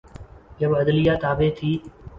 جب عدلیہ تابع تھی۔